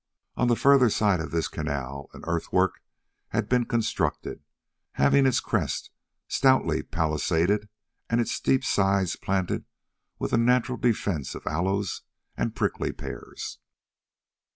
On the further side of this canal an earthwork had been constructed, having its crest stoutly palisaded and its steep sides planted with a natural defence of aloes and prickly pears.